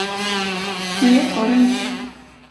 Nej, jag tar den.